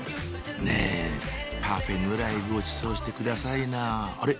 ねぇパフェぐらいごちそうしてくださいなあれ？